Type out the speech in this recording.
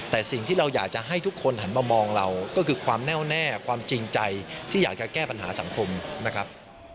แต่สิ่งที่เราอยากจะให้ทุกคนหันมามองเราก็คือความแน่วแน่ความจริงใจที่อยากจะแก้ปัญหาสังคมนะครับ